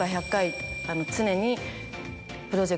常に。